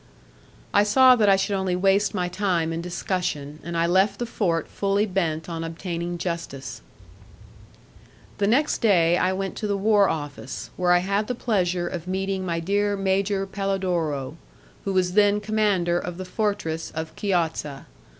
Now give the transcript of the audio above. I saw that I should only waste my time in discussion, and I left the fort fully bent on obtaining justice. The next day I went to the war office, where I had the pleasure of meeting my dear Major Pelodoro, who was then commander of the Fortress of Chiozza.